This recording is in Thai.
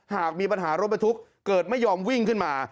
หากมีปัญหารถบรรทุกเกิดไม่ยอมวิ่งขึ้นมา